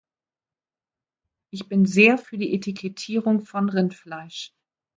Ich bin sehr für die Etikettierung von Rindfleisch.